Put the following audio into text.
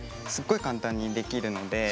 すっごい簡単にできるので。